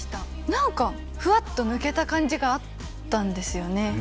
なんか、ふわっと抜けた感じがあったんですよね。